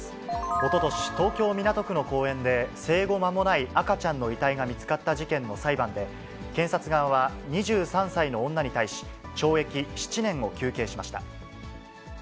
おととし、東京・港区の公園で、生後間もない赤ちゃんの遺体が見つかった事件の裁判で、検察側は２３歳の女に対し、懲役７年を求刑しました。